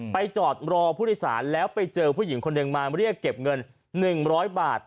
ไปจอดรอพฤศาลและไปเจอผู้หญิงคนหนึ่งมาเรียกเก็บเงิน๑๐๐บาท